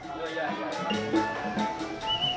aku pilih yang terbaik sudah